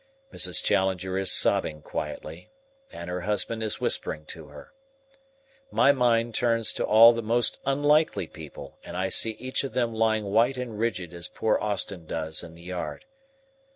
Mrs. Challenger is sobbing quietly, and her husband is whispering to her. My mind turns to all the most unlikely people, and I see each of them lying white and rigid as poor Austin does in the yard.